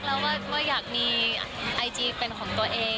แล้วก็อยากมีไอจีเป็นของตัวเอง